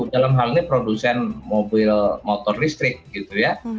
dalam hal ini produsen mobil motor listrik gitu ya